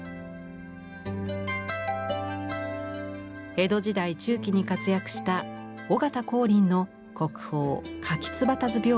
江戸時代中期に活躍した尾形光琳の国宝「燕子花図屏風」です。